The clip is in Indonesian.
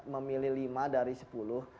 memilih lima dari sepuluh